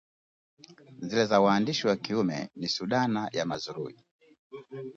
Zile za waandishi wa kiume ni Sudana ya Mazrui